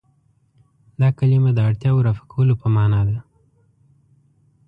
دا کلمه د اړتیاوو رفع کولو په معنا ده.